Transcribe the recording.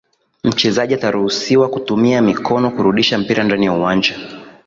mchezaji ataruhusiwa kutumia mikono kurudisha mpira ndani ya uwanja